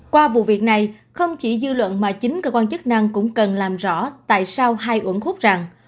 qua vụ việc này không chỉ dư luận mà chính cơ quan chức năng cũng cần làm rõ tại sao hai uẩn khúc rằng